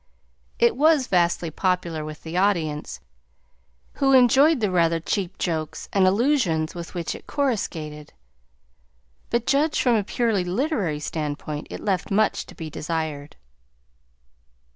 It was vastly popular with the audience, who enjoyed the rather cheap jokes and allusions with which it coruscated; but judged from a purely literary standpoint, it left much to be desired.